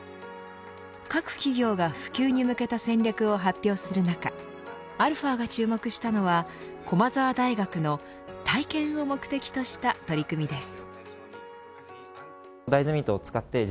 各企業が普及に向けた戦略を発表する中αが注目したのは駒澤大学の体験を目的とした取り組みです。